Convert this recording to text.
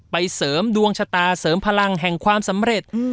เสริมดวงชะตาเสริมพลังแห่งความสำเร็จ